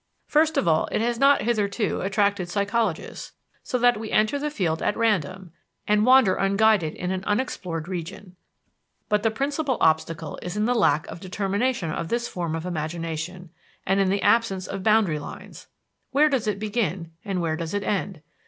First of all, it has not hitherto attracted psychologists, so that we enter the field at random, and wander unguided in an unexplored region. But the principal obstacle is in the lack of determination of this form of imagination, and in the absence of boundary lines. Where does it begin, and where does it end?